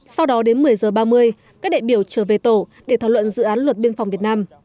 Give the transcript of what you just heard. sau đó đến một mươi h ba mươi các đại biểu trở về tổ để thảo luận dự án luật biên phòng việt nam